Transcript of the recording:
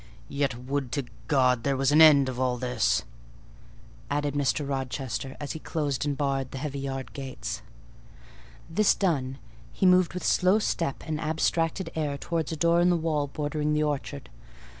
"Yet would to God there was an end of all this!" added Mr. Rochester, as he closed and barred the heavy yard gates. This done, he moved with slow step and abstracted air towards a door in the wall bordering the orchard.